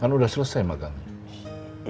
kan udah selesai magangnya